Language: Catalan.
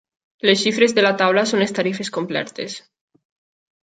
Les xifres de la taula són les tarifes completes.